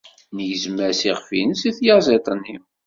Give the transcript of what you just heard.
Negzem-as iɣef-nnes i tyaziḍt-nni.